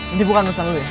ini bukan musnah lo ya